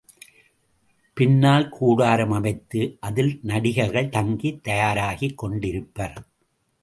பின்னல் கூடாரம் அமைத்து அதில் நடிகர்கள் தங்கித் தயாராகிக் கொண்டிருப்பர்.